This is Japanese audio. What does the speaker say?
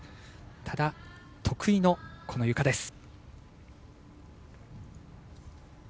ただ、得意のゆかです。